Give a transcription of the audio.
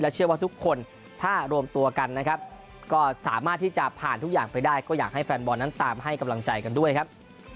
เชื่อว่าทุกคนถ้ารวมตัวกันนะครับก็สามารถที่จะผ่านทุกอย่างไปได้ก็อยากให้แฟนบอลนั้นตามให้กำลังใจกันด้วยครับ